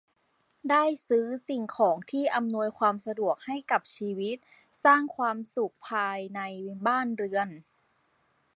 ได้ซื้อสิ่งของที่อำนวยความสะดวกให้กับชีวิต สร้างความสุขภายในบ้านเรือน